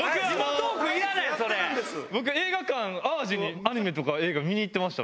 僕淡路にアニメとか映画見に行ってました。